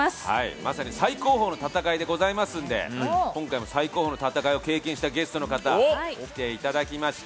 まさに最高峰の戦いでございますので今回も最高峰の戦いを経験したゲストの方に来ていただきました。